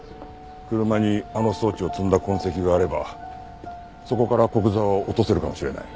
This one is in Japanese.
車にあの装置を積んだ痕跡があればそこから古久沢を落とせるかもしれない。